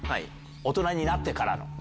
大人になってからの。